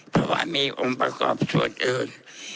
เพราะว่ามีองค์ประกอบส่วนอื่น